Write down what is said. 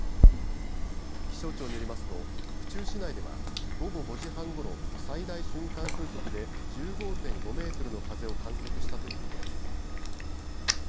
気象庁によりますと府中市内では午後５時半ごろ最大瞬間風速で１５．５メートルの風を観測したということです。